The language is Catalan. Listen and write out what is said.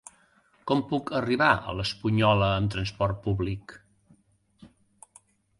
Com puc arribar a l'Espunyola amb trasport públic?